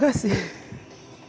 selamat siang selalu bu irman